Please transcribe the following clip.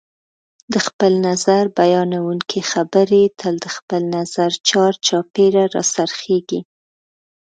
د خپل نظر بیانونکي خبرې تل د خپل نظر چار چاپېره راڅرخیږي